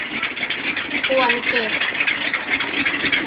ควรเก็บ